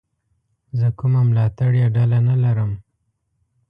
زه کومه ملاتړلې ډله نه لرم.